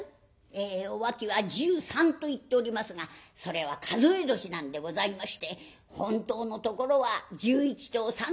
「えお秋は１３と言っておりますがそれは数え年なんでございまして本当のところは１１と３か月なんでございます。